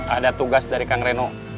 ada tugas dari kang reno